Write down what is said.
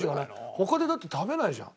他でだって食べないじゃん。